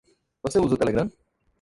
Você usa o Telegram?